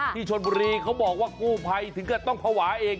ที่ชนบรีเขาบอกว่ากู้ไพถึงจะต้องพวาเอง